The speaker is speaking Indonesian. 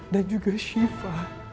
dan juga shiva